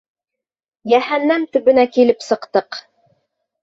Йәһәннәм төбөнә килеп сыҡтыҡ...